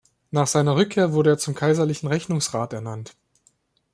Nach seiner Rückkehr wurde er zum kaiserlichen Rechnungsrat ernannt.